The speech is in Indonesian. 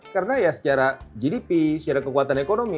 karena ya secara gdp secara kekuatan ekonomi